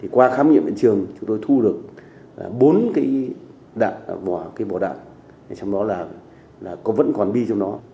qua khám nghiệm hiện trường chúng tôi thu được bốn cái bỏ đạn trong đó là vẫn còn bi trong đó